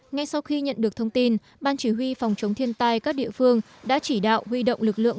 ngay sau khi nhận được thông tin ban chỉ huy phòng chống thiên tai các địa phương đã chỉ đạo huy động lực lượng